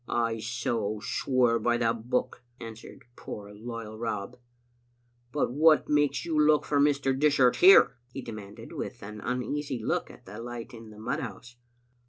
" I so swear by the Book," answered poor loyal Rob. " But what makes you look for Mr. Dishart here?" he demanded, with an uneasy look at the light in the mud house.